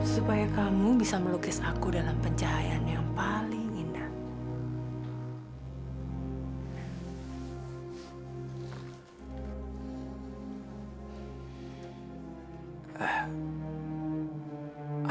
supaya kamu bisa melukis aku dalam pencahayaan yang paling indah